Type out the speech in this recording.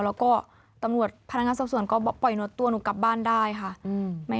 แล้วก็ตำรวจพนักงานสอบส่วนก็ปล่อยนวดตัวหนูกลับบ้านได้ค่ะ